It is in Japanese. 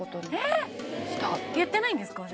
いや言ってないんですか？